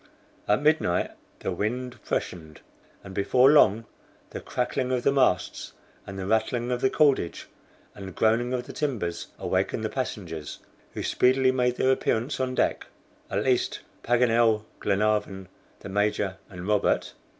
At midnight the wind freshened, and before long the cracking of the masts, and the rattling of the cordage, and groaning of the timbers, awakened the passengers, who speedily made their appearance on deck at least Paganel, Glenarvan, the Major and Robert.